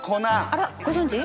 あらご存じ？